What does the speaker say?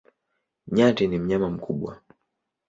Nyati ni mnyama mkubwa.